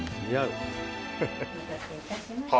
お待たせいたしました。